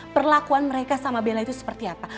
perlakuan mereka sama bella itu seperti apa